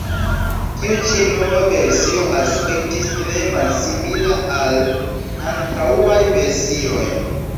Tiu ĉi nova versio aspektis tre malsimila al antaŭaj versioj.